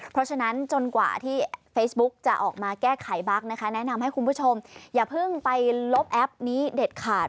เพราะฉะนั้นจนกว่าที่เฟซบุ๊กจะออกมาแก้ไขบั๊กนะคะแนะนำให้คุณผู้ชมอย่าเพิ่งไปลบแอปนี้เด็ดขาด